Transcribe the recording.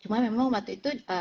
cuma memang waktu itu